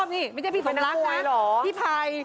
นี่ไม่ใช่พี่สมรักนะพี่ภัย